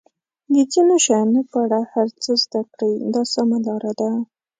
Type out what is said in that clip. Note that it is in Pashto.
د ځینو شیانو په اړه هر څه زده کړئ دا سمه لار ده.